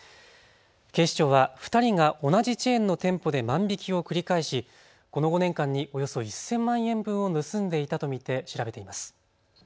警視庁は２人が同じチェーンの店舗で万引きを繰り返しこの５年間におよそ１０００万円分を盗んでいたと見て調べています。